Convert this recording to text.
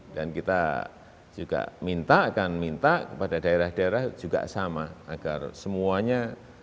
dan kita juga minta kan minta kepada daerah daerah juga sama agar semuanya